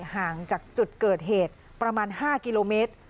ห่างจากจุดเกิดเหตุประมาณ๕กิโลเมตร